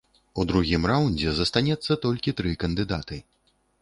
У другім раўндзе застанецца толькі тры кандыдаты.